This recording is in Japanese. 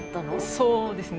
そうですね。